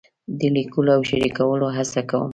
د لیکلو او شریکولو هڅه کوم.